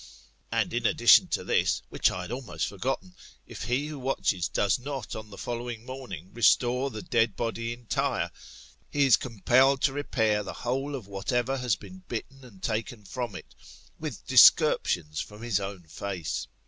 And in addition to this, which I had almost forgotten, if' he who watches does not the following morning restore the dead body entire, he is compelled to repair the whole of whatever has been bitten and taken from it, with discerptions from his own face.